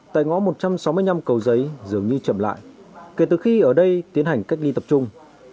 tại ngõ một trăm sáu mươi năm cầu giấy dường như chậm lại kể từ khi ở đây tiến hành cách ly tập trung